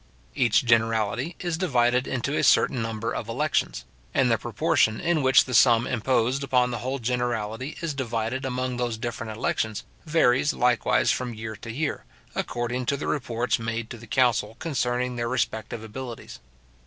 Each generality is divided into a certain number of elections; and the proportion in which the sum imposed upon the whole generality is divided among those different elections, varies likewise from year to year, according to the reports made to the council concerning their respective abilities.